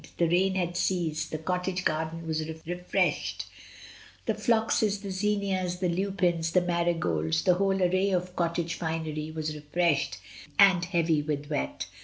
The rain had ceased, the cottage garden was refreshed; the floxes, the zinias, the lupins, the marigolds, the whole array of cottage finery was refreshed and heavy with wet.